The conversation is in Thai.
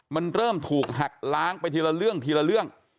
มันเริ่มถูกหักล้างไปทีละเรื่องทีละเรื่อง